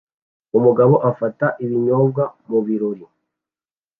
Umugabo afata ibinyobwa mubirori